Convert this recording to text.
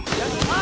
あ！